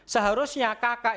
seharusnya kakak itu